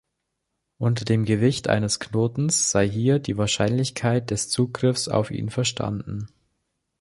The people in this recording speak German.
Unter dem Gewicht eines Knotens sei hier die Wahrscheinlichkeit des Zugriffs auf ihn verstanden.